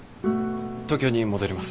東京に戻ります。